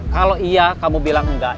kalau iya kamu bilang enggak